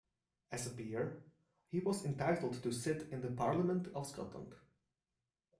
As a peer, he was entitled to sit in the Parliament of Scotland.